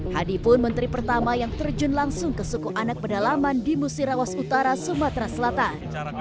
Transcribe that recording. hadi pun menteri pertama yang terjun langsung ke suku anak pedalaman di musirawas utara sumatera selatan